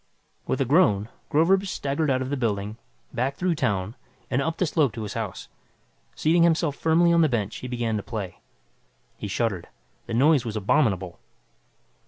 With a groan, Groverzb staggered out of the building, back through town, and up the slope to his house. Seating himself firmly on the bench he began to play. He shuddered. The noise was abominable.